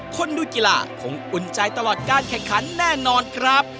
คนดูกีฬาคงอุ่นใจตลอดการแข่งขันแน่นอนครับ